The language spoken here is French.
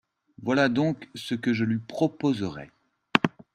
voilà donc ce que je lui proposerais.